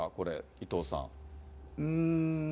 伊藤さん。